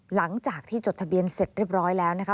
หลังจากที่จดทะเบียนเสร็จเรียบร้อยแล้วนะคะ